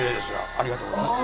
ありがとうございます。